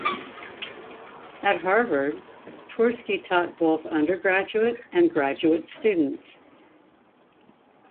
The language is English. At Harvard, Twersky taught both undergraduate and graduate students.